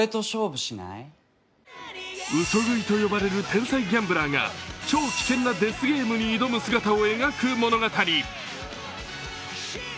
嘘喰いと呼ばれる天才ギャンブラーが超危険なデスゲームに挑む姿を描く物語。